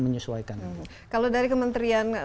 menyesuaikan kalau dari kementerian